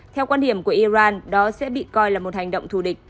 theo quan điểm của iran đó sẽ bị coi là một hành động thù địch